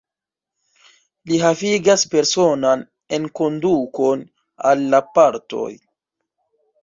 Li havigas personan enkondukon al la partoj.